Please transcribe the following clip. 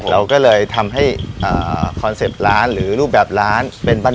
เราก็เลยทำให้คอนเซ็ปต์ร้านหรือรูปแบบร้านเป็นบาง